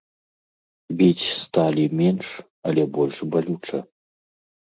Біць сталі менш, але больш балюча.